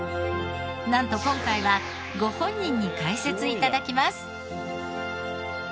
なんと今回はご本人に解説頂きます。